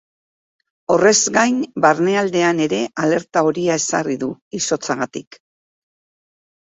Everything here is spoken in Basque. Horrez gain, barnealdean ere alerta horia ezarri du, izotzagatik.